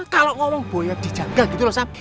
kalau ngomong boya dijaga gitu loh sam